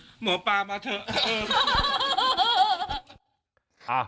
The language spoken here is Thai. หมอปลามาเถอะ